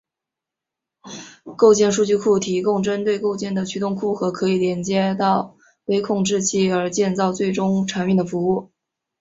构件数据库提供针对构件的驱动库和可以连接到微控制器而建造最终产品的服务。